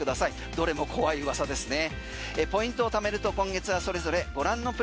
どれも怖いうわさですね。